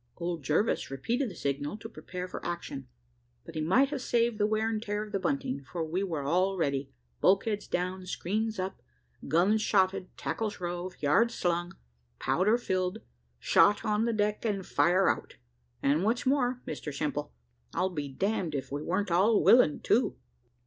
Old Jervis repeated the signal to prepare for action, but he might have saved the wear and tear of the bunting, for we were all ready, bulkheads down, screens up, guns shotted, tackles rove, yards slung, powder filled, shot on deck, and fire out and what's more, Mr Simple, I'll be damned if we wer'n't all willing too.